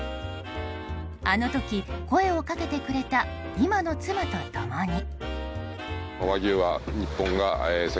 あの時、声をかけてくれた今の妻と共に。